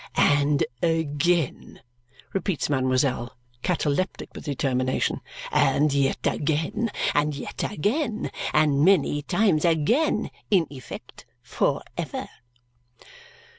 "And again," repeats mademoiselle, cataleptic with determination. "And yet again. And yet again. And many times again. In effect, for ever!"